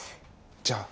じゃあ。